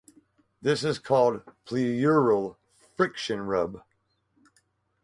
This is called pleural friction rub.